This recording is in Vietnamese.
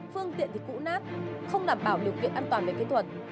phương tiện thì cũ nát không đảm bảo điều kiện an toàn về kỹ thuật